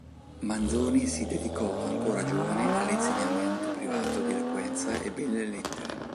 Manzoni si dedicò, ancora giovane, all'insegnamento privato di eloquenza e belle lettere.